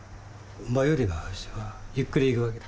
馬よりは牛はゆっくり行くわけだ。